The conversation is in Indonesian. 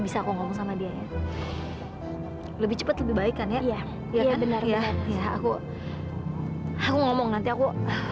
tunggu tunggu tunggu